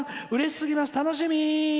うれしすぎます、楽しみ！」。